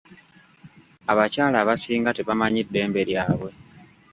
Abakyala abasinga tebamanyi ddembe lyabwe.